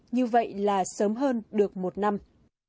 như vậy là sớm hơn được một năm